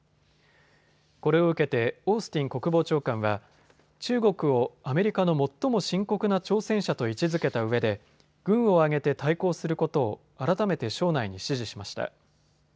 これを受けてオースティン国防長官は中国をアメリカの最も深刻な挑戦者と位置づけたうえで軍を挙げて対抗することを改めて省内に指示しました。